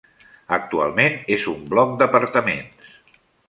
Actualment és un bloc d'apartaments.